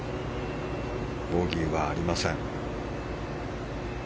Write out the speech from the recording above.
ボギーはありません。